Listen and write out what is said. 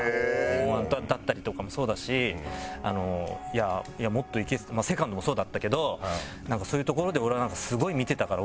Ｍ−１だったりとかもそうだしもっとＳＥＣＯＮＤもそうだったけどそういうところで俺はなんかすごい見てたから奥ちゃんの。